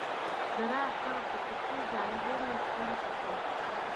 د "ژ" حرف د پښتو ځانګړی حرف دی.